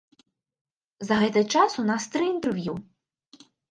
За гэты час у нас тры інтэрв'ю.